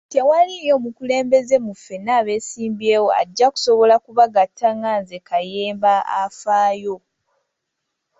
Tewaliiyo mukulembeze mu ffenna abeesimbyewo ajja kusobola ku bagatta nga nze Kayemba afaayo.